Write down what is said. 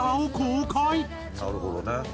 なるほどね。